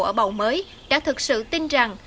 ở bầu mới đã thực sự tin rằng